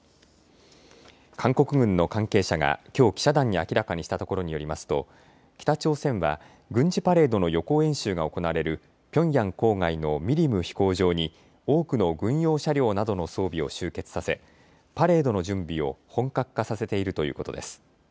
韓国軍の関係者が、きょう記者団に明らかにしたところによりますと北朝鮮は軍事パレードの予行演習が行われるピョンヤン郊外のミリム飛行場に多くの軍用車両などの装備を集結させパレードの準備を本格化させているということです。